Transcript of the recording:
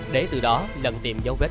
để từ đó lần tìm dấu vết